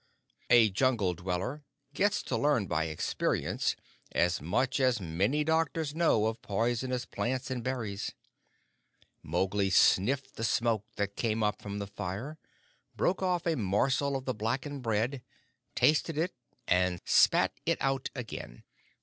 A Jungle dweller gets to learn by experience as much as many doctors know of poisonous plants and berries. Mowgli sniffed the smoke that came up from the fire, broke off a morsel of the blackened bread, tasted it, and spat it out again.